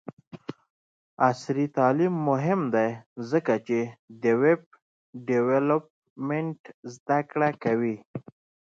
عصري تعلیم مهم دی ځکه چې د ویب ډیولپمنټ زدکړه کوي.